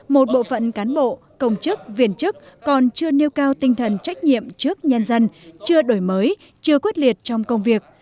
một bộ phận cán bộ công chức viên chức còn chưa nêu cao tinh thần trách nhiệm trước nhân dân chưa đổi mới chưa quyết liệt trong công việc